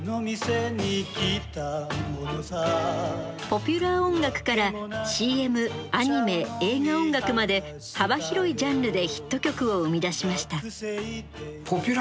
ポピュラー音楽からＣＭアニメ映画音楽まで幅広いジャンルでヒット曲を生み出しました。